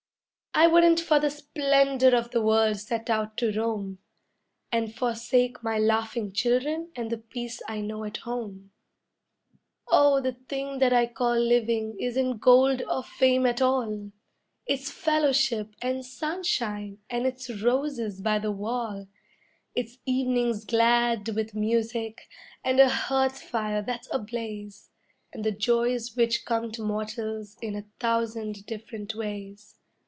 I wouldn't for the splendor of the world set out to roam, And forsake my laughing children and the peace I know at home. [Illustration: "Living" From a painting by FRANK X. LEYENDECKER.] Oh, the thing that I call living isn't gold or fame at all! It's fellowship and sunshine, and it's roses by the wall. It's evenings glad with music and a hearth fire that's ablaze, And the joys which come to mortals in a thousand different ways.